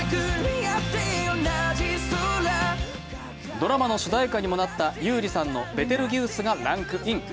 ドラマの主題歌にもなった優里さんの「ベテルギウス」がランクイン。